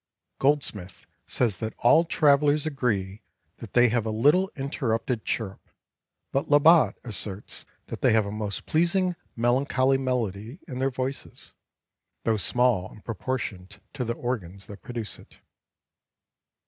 Goldsmith says that all travelers agree that they have a little interrupted chirrup, but Labat asserts that they have a most pleasing melancholly melody in their voices, though small and proportioned to the organs that produce it.